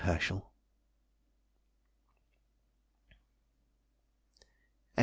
W. HERSCHEL, ESQ.